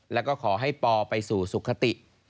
แล้วก็ขอให้ปอไปสู่สุขติ